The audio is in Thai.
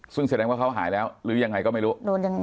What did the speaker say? ซึ่งแสดงว่าเขาหายแล้วหรือยังไงก็ไม่รู้ยังไง